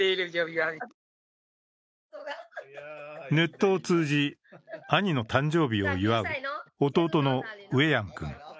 ネットを通じ、兄の誕生日を祝う弟のウェヤン君。